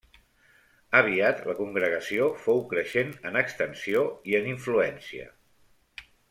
Aviat la congregació fou creixent en extensió i en influència.